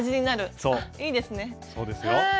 そうですよ。